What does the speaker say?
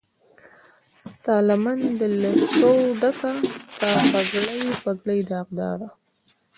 ستالمن د لکو ډکه، ستا پګړۍ، پګړۍ داغداره